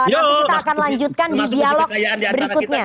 nanti kita akan lanjutkan di dialog berikutnya